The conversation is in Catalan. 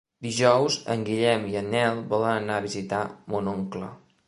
Dijous en Guillem i en Nel volen anar a visitar mon oncle.